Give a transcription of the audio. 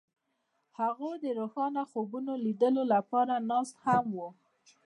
هغوی د روښانه خوبونو د لیدلو لپاره ناست هم وو.